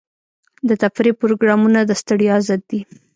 د تفریح پروګرامونه د ستړیا ضد دي.